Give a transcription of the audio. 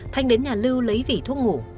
thanh đến nhà lưu lấy vỉ thuốc ngủ